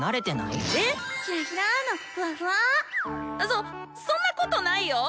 そそんなことないよ。